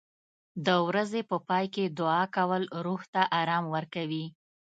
د ورځې په پای کې دعا کول روح ته آرام ورکوي.